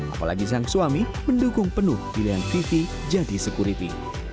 apalagi sang suami mendukung penuh pilihan vivi jadi security